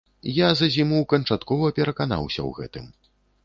Я за зіму канчаткова пераканаўся ў гэтым.